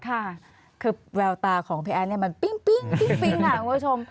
ค่ะคือแววตาของพี่แอดเนี่ยมันปิ้งค่ะคุณผู้ชม